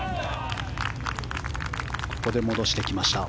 ここで戻してきました。